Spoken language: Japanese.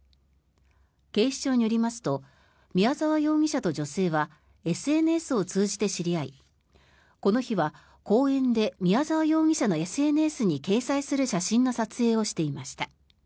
警視庁によりますと宮沢容疑者と女性はＳＮＳを通じて知り合いこの日は公園で宮沢容疑者のＳＮＳに掲載する写真の撮影をしていました。